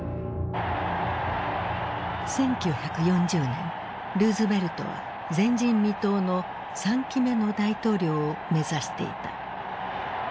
１９４０年ルーズベルトは前人未到の３期目の大統領を目指していた。